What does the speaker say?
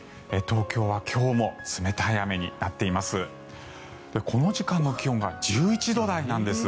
東京は今日も冷たい雨になっています。